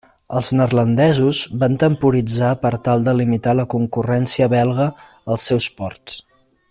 Els neerlandesos van temporitzar per tal de limitar la concurrència belga als seus ports.